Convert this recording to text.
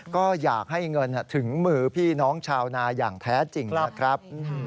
ก็อยากให้เงินถึงมือพี่น้องชาวนาอย่างแท้จริงนะครับ